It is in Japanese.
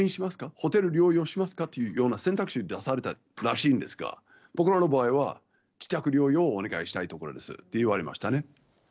ホテル療養しますか？というような選択肢、出されたらしいんですが、僕らの場合は、自宅療養をお願いしたいですと言われましたね。